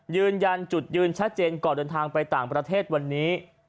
ยืนยันจุดยืนชัดเจนก่อนเดินทางไปต่างประเทศวันนี้